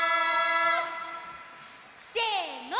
せの！